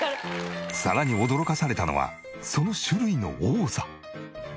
さらに驚かされたのはその種類の多さ。